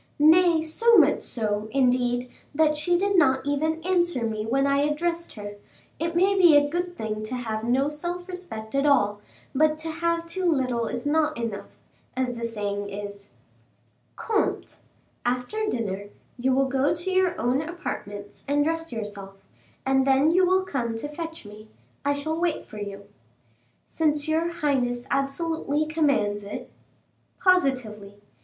"Nay, so much so, indeed, that she did not even answer me when I addressed her; it may be a good thing to have no self respect at all, but to have too little is not enough, as the saying is." "Comte! after dinner, you will go to your own apartments and dress yourself, and then you will come to fetch me. I shall wait for you." "Since your highness absolutely commands it." "Positively."